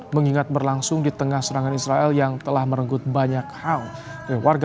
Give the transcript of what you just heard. mengingat berlangsung di tengah serangan israel yang telah merenggut banyak hal